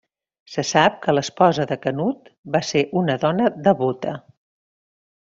Se sap que l'esposa de Canut va ser una dona devota.